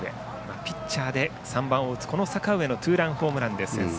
ピッチャーで３番を打つ阪上のツーランホームランで先制。